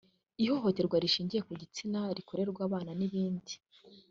ihohoterwa rishingiye ku gitsina n’irikorerwa abana n’ibindi